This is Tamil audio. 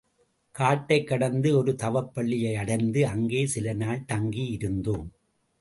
காட்டைக் கடந்து ஒரு தவப்பள்ளியை அடைந்து அங்கே சில நாள் தங்கி இருந்தோம்.